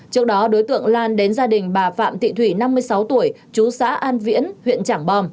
trước đó đối tượng lan đến gia đình bà phạm thị thủy năm mươi sáu tuổi chú xã an viễn huyện trảng bom